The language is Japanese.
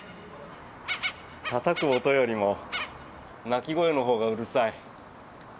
たたく音よりも鳴き声のほうがうるさい。